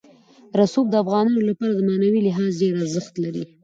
رسوب د افغانانو لپاره په معنوي لحاظ ډېر ارزښت لري.